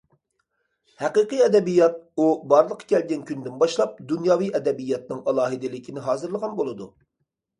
ھەقىقىي ئەدەبىيات ئۇ بارلىققا كەلگەن كۈندىن باشلاپ دۇنياۋى ئەدەبىياتنىڭ ئالاھىدىلىكىنى ھازىرلىغان بولىدۇ.